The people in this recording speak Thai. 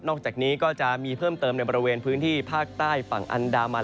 จากนี้ก็จะมีเพิ่มเติมในบริเวณพื้นที่ภาคใต้ฝั่งอันดามัน